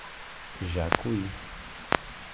Jacuí